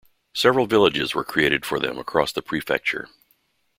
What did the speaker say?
Several villages were created for them across the prefecture.